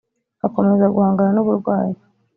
akomeza guhangana n’uburwayi